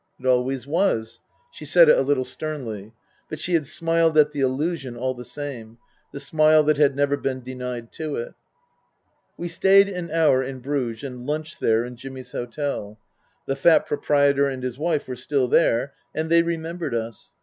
" It always was." She said it a little sternly. But she had smiled at the allusion, all the same the smile that had never been denied to it. We stayed an hour in Bruges and lunched there in Jimmy's hotel. The fat proprietor and his wife were still there and they remembered us.